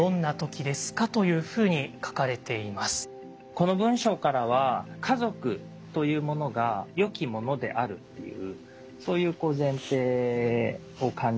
この文章からは家族というものがよきものであるっていうそういう前提を感じるんですね。